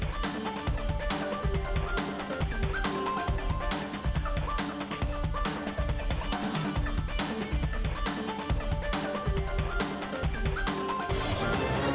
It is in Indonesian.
terima kasih banyak mas loto